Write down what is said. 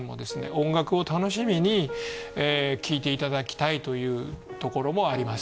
音楽を楽しみに聴いていただきたいというところもあります。